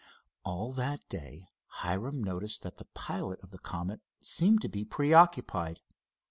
All that day, Hiram noticed that the pilot of the Comet seemed to be preoccupied.